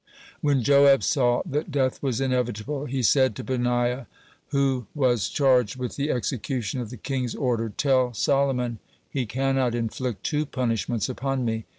(9) When Joab saw that death was inevitable, he said to Benaiah, who was charged with the execution of the king's order: "Tell Solomon he cannot inflict two punishments upon me.